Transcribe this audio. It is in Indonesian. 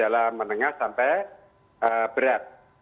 jalan menengah sampai berat